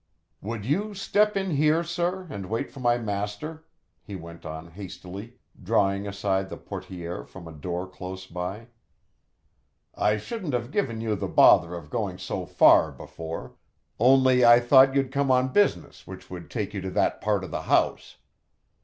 "Would you step in here, sir, and wait for my master?" he went on hastily, drawing aside the portière from a door close by. "I shouldn't have given you the bother of going so far before, only I thought you'd come on business which would take you to that part of the house.